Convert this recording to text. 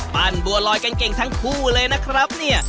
ปั่นบัวลอยกางเกงทั้งคู่เลยนะครับเงี้ย